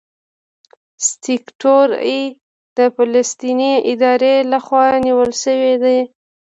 سیکټور اې د فلسطیني ادارې لخوا نیول شوی دی.